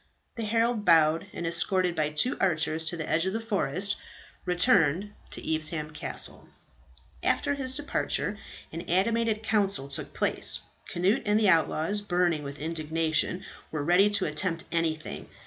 The herald bowed, and, escorted by two archers to the edge of the forest, returned to Evesham Castle. After his departure, an animated council took place. Cnut and the outlaws, burning with indignation, were ready to attempt anything.